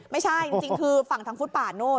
ไม่ใช่จริงคือฝั่งทางฟุตป่าโน่น